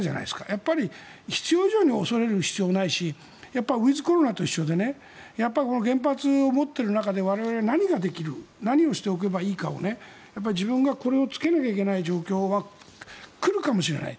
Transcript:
やっぱり必要以上に恐れる必要はないしウィズコロナと一緒で原発を持っている中で我々は何ができる何をすればいいかを自分がこれを着けなきゃいけない状況が来るかもしれない。